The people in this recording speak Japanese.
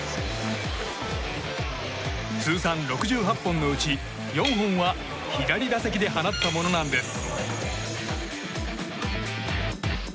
通算６８本のうち４本は左打席で放ったものなんです。